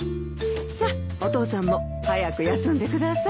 さっお父さんも早く休んでください。